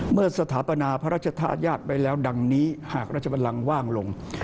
เมื่อสถาปนาพระราชทายาทไปแล้วดังนี้หากราชบัลลังก์ว่างลง